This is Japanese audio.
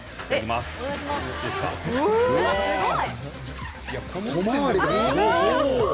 すごい。